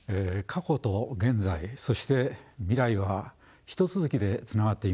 過去と現在そして未来は一続きでつながっています。